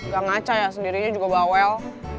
gak ngaca ya sendirinya juga bawel